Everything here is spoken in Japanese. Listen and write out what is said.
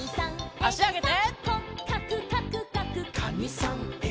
あしあげて。